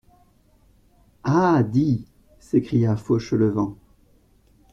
Ah ! di …! s'écria Fauchelevent.